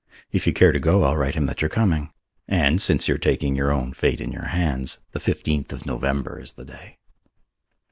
If you care to go, I'll write him that you're coming. And, since you are taking your own fate in your hands, the fifteenth of November is the day."